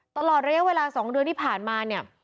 ตลอดระยะเวลา๒เดือนที่ผ่านมาเนี่ย